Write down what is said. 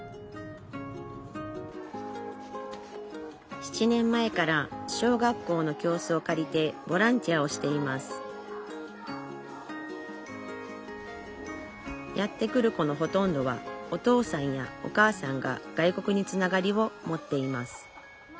７年前から小学校の教室を借りてボランティアをしていますやって来る子のほとんどはお父さんやお母さんが外国につながりを持っています